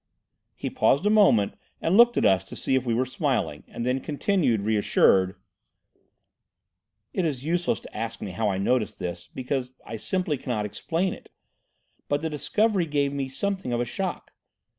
He paused a moment and looked at us to see if we were smiling, and then continued, reassured— "It is useless to ask me how I noticed this, because I simply cannot explain it. But the discovery gave me something of a shock.